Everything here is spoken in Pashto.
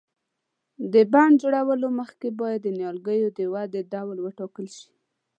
د بڼ جوړولو مخکې باید د نیالګیو د ودې ډول وټاکل شي.